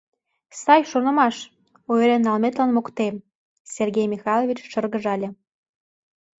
— Сай шонымаш, ойырен налметлан моктем, — Сергей Михайлович шыргыжале.